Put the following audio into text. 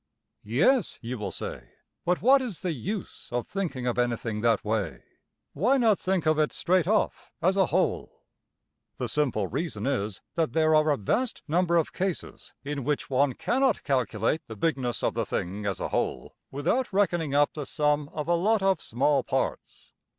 Yes, you will say, but what is the use of thinking of anything that way? Why not think of it straight off, as a whole? The simple reason is that there are a vast number of cases in which one cannot calculate the bigness of the thing as a whole without reckoning up the sum of a lot of small parts.